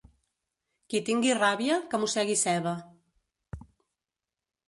Qui tingui ràbia, que mossegui ceba.